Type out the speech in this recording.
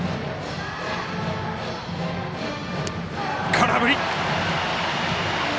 空振り！